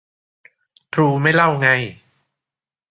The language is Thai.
ทรูไม่เล่าไง